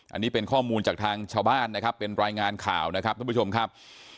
อันนี้เป็นข้อมูลจากทางชาวบ้านนะครับเป็นรายงานข่าวนะครับท่านผู้ชมครับ